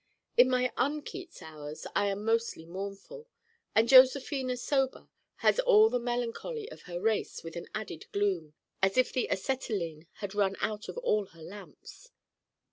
In my un Keats hours I am mostly mournful. And Josephina sober has all the melancholy of her race with an added gloom, as if the acetylene had run out of all her lamps.